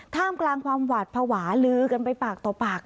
ท่ามกลางความหวาดภาวะลือกันไปปากต่อปาก